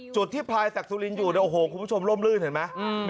ที่พลายศักดิ์สุรินอยู่เนี่ยโอ้โหคุณผู้ชมล่มลื่นเห็นไหม